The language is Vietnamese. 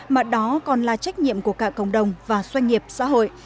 mà đó còn là trách nhiệm của cả cộng đồng và doanh nghiệp xã hội